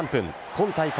今大会